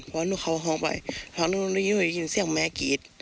เพราะว่านุ๊กเขาออกข้างไปแล้วนุ๊กยินเสียงแม่กรี๊ด